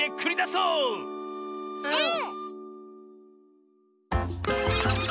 うん！